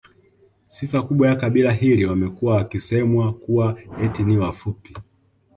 Sifa kubwa ya kabila hili wamekuwa wakisemwa kuwa eti ni wafupi